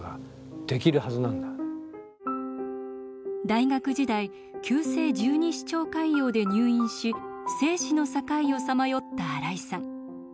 大学時代急性十二指腸潰瘍で入院し生死の境をさまよった新井さん。